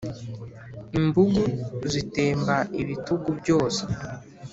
imbugu zitemba ibitugu byose